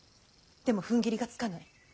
でもふんぎりがつかない。